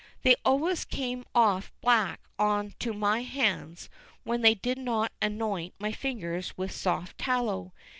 They always came off black on to my hands when they did not anoint my fingers with soft tallow.